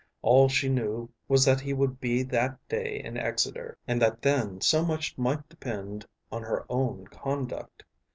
All she knew was that he would be that day in Exeter, and that then so much might depend on her own conduct.